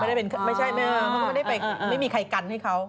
ไม่ใช่แม่เขาก็ไม่ได้ไปไม่มีใครกันให้เขา